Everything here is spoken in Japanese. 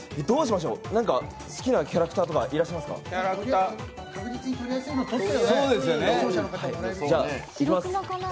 どうしましょう好きなキャラクターとかいらっしゃいますか？